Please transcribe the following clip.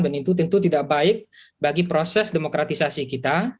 dan itu tentu tidak baik bagi proses demokratisasi kita